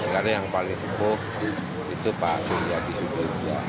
karena yang paling sempur itu pak surya disudirja